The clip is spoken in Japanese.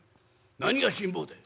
何が辛抱だよ」。